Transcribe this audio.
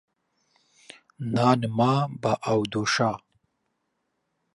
نان ما به او دو شا.